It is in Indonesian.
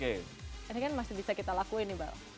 ini kan masih bisa kita lakuin nih mbak